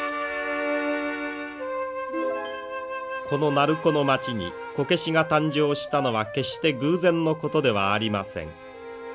この鳴子の町にこけしが誕生したのは決して偶然のことではありません。